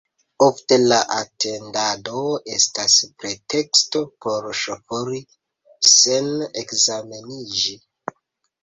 Ofte la atendado estas preteksto por ŝofori sen ekzameniĝi.